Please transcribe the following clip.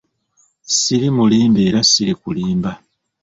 Siri mulimba era sirikulimba.